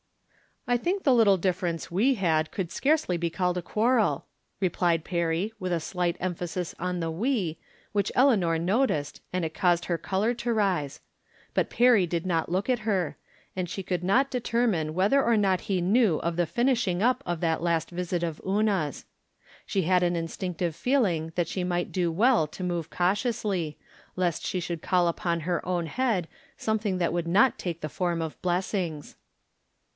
" "I think the little difference we had could scarcely be called a quarrel," replied Perry, with a slight emphasis on the we, which Eleanor no ticed, and it caused her color to rise ; but Perry did not look at her, and she could not determine 184 From Different Standpoints. whether or not he knew of the finishing up of that last visit of Una's. She had an instinctive feeling that she might do well to move cau tiously, lest she should call down upon her own head something that would not take the form of blessings.